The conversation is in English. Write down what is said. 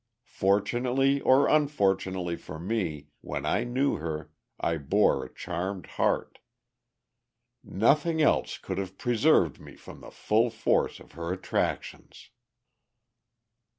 "Fortunately or unfortunately for me, when I knew her, I bore a charmed heart. Nothing else could have preserved me from the full force of her attractions."